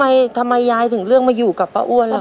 แล้วทำไมยายถึงเลื่องมาอยู่กับพ่ออ้วนล่ะค่ะ